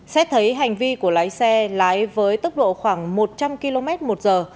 xét thấy hành vi của lái xe lái với tốc độ khoảng một trăm linh km một giờ